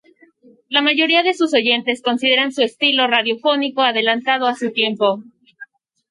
La mayoría de sus oyentes consideran su estilo radiofónico adelantado a su tiempo.